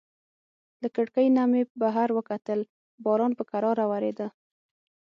له کړکۍ نه مې بهر وکتل، باران په کراره وریده.